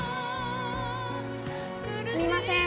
・すみません。